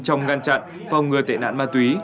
trong ngăn chặn phòng ngừa tệ nạn ma túy